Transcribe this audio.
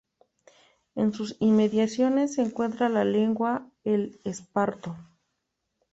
En sus inmediaciones se encuentra la laguna El Esparto.